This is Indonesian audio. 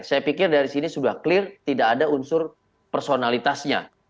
saya pikir dari sini sudah clear tidak ada unsur personalitasnya